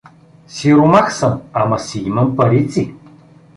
Сиромах съм, ама си имам парици!